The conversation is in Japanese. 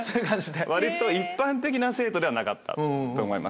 割と一般的な生徒ではなかったと思います。